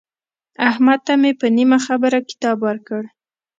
احمد ته مې په نیمه خبره کتاب ورکړ.